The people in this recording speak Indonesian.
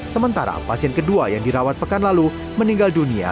sementara pasien kedua yang dirawat pekan lalu meninggal dunia